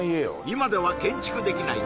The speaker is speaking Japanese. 今では建築できない